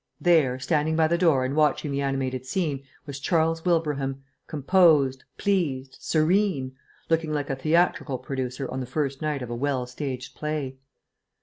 There, standing by the door and watching the animated scene, was Charles Wilbraham, composed, pleased, serene, looking like a theatrical producer on the first night of a well staged play.